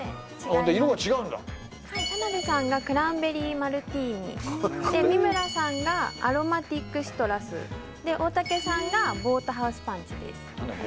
これ色が違うんだ田辺さんがクランベリーマルティーニで三村さんがアロマティックシトラスで大竹さんがボートハウスパンチです何だ？